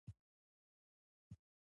احمد ډېر درنګ وخوړ او بيا راغی.